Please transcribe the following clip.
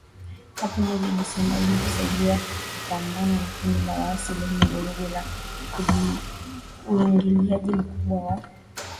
hapo mwezi Disemba ili kusaidia kupambana na kundi la waasi lenye vurugu ya uingiliaji mkubwa zaidi wa kigeni nchini Kongo